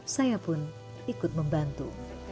saya pun ikut membantu